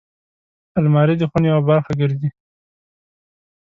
الماري د خونې یوه برخه ګرځي